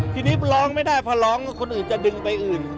ทีนี้ร้องไม่ได้พอร้องคนอื่นจะดึงไปอื่น